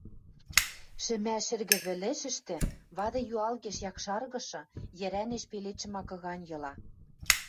Шӹмӓ шӹргӹвӹлӹшӹштӹ, вады юалгеш якшаргышы, йӹрӓнеш пеледшӹ макы ганьы йыла.